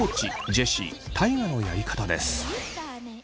ジェシー大我のやり方です。